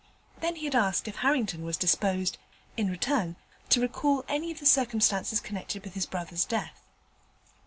Then he had asked if Harrington was disposed, in return, to recall any of the circumstances connected with his brother's death.